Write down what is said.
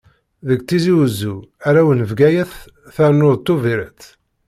Deg Tizi-Wezzu, arraw n Bgayet, ternuḍ Tubiret.